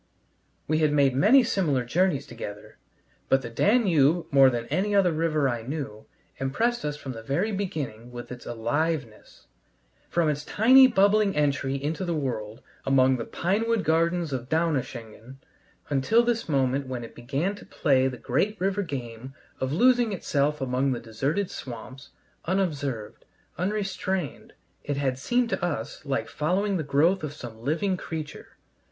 We had made many similar journeys together, but the Danube, more than any other river I knew, impressed us from the very beginning with its aliveness. From its tiny bubbling entry into the world among the pinewood gardens of Donaueschingen, until this moment when it began to play the great river game of losing itself among the deserted swamps, unobserved, unrestrained, it had seemed to us like following the growth of some living creature.